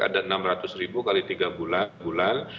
ada enam ratus ribu kali tiga bulan